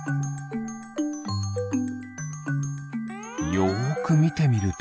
よくみてみると。